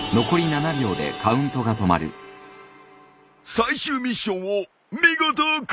最終ミッションを見事クリア！